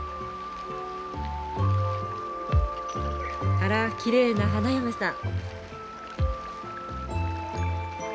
あらきれいな花嫁さん。